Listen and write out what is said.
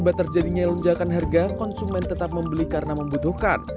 akibat terjadinya lonjakan harga konsumen tetap membeli karena membutuhkan